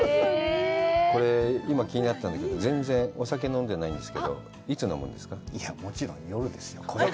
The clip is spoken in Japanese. これ、今、気になったんだけど、全然お酒飲んでないんですが、いつ飲むんですか？